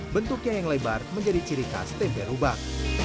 bentuknya yang lebar menjadi ciri khas tempe rubak